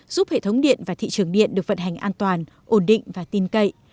giúp hệ thống điện và thị trường điện được vận hành an toàn ổn định và tin cậy